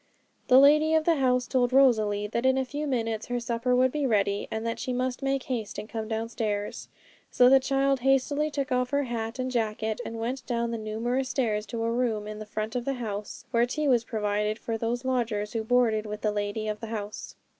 The lady of the house told Rosalie that in a few minutes her supper would be ready, and that she must make haste and come downstairs. So the child hastily took off her hat and jacket, and went down the numerous stairs to a room in the front of the house, where tea was provided for those lodgers who boarded with the lady of the house.